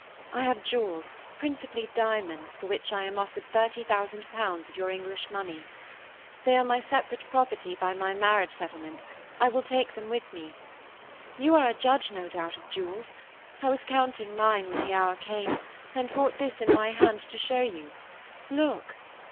I have jewels, principally diamonds, for which I am offered thirty thousand pounds of your English money. They are my separate property by my marriage settlement; I will take them with me. You are a judge, no doubt, of jewels. I was counting mine when the hour came, and brought this in my hand to show you. Look."